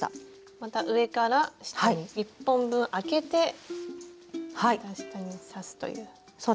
また上から下に１本分あけてまた下に刺すという。